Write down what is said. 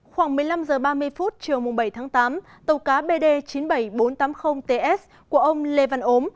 khoảng một mươi năm h ba mươi phút chiều bảy tháng tám tàu cá bd chín mươi bảy nghìn bốn trăm tám mươi ts của ông lê văn ốm